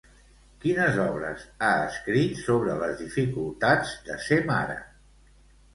Quines obres ha escrit sobre les dificultats de ser mare?